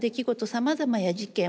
さまざまな事件。